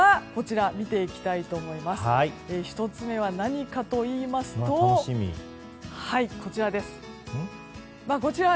まずは、１つ目は何かといいますとこちら。